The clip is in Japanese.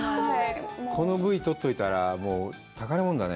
このＶを取っといたら、宝物だね。